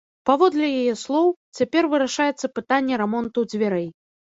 Паводле яе слоў, цяпер вырашаецца пытанне рамонту дзвярэй.